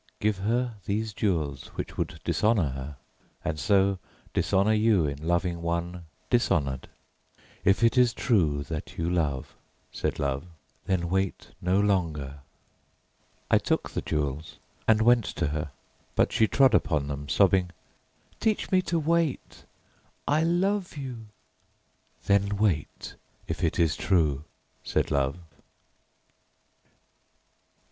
Give her these jewels which would dishonour her and so dishonour you in loving one dishonoured. If it is true that you love," said Love, "then wait no longer." I took the jewels and went to her, but she trod upon them, sobbing: "Teach me to wait I love you!" "Then wait, if it is true," said Love.